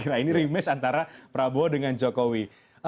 ini rematch antara prabowo dengan jokowi